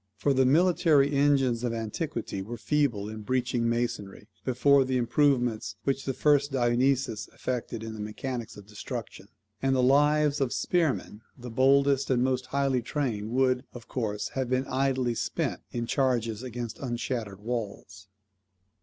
For the military engines of antiquity were feeble in breaching masonry, before the improvements which the first Dionysius effected in the mechanics of destruction; and the lives of spearmen the boldest and most highly trained would, of course, have been idly spent in charges against unshattered walls.